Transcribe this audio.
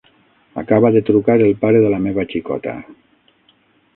Acaba de trucar el pare de la meva xicota.